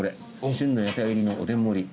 旬の野菜入りのおでん盛り」